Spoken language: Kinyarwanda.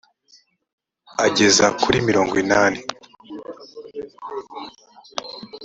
ageza kuri mirongo inani.